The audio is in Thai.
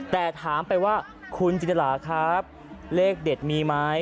แต่ถามไปว่าคุณจินตราครับเลขเด็ดมีไหม